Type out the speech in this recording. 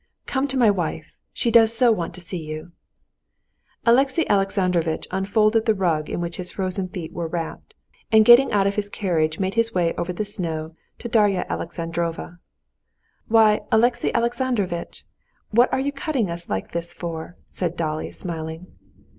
"Come to my wife, she does so want to see you." Alexey Alexandrovitch unfolded the rug in which his frozen feet were wrapped, and getting out of his carriage made his way over the snow to Darya Alexandrovna. "Why, Alexey Alexandrovitch, what are you cutting us like this for?" said Dolly, smiling.